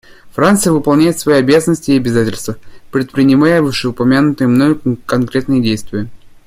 Франция выполняет свои обязанности и обязательства, предпринимая вышеупомянутые мною конкретные действия.